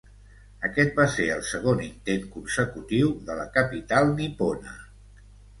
Aquest va ser el segon intent consecutiu de la capital nipona.